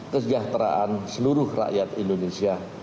sehingga kejahteraan seluruh rakyat indonesia